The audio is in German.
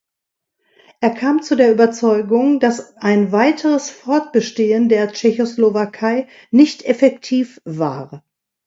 Er kam zu der Überzeugung, dass ein weiteres Fortbestehen der Tschechoslowakei nicht effektiv war.